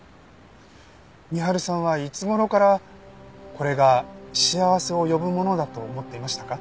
深春さんはいつ頃からこれが幸せを呼ぶものだと思っていましたか？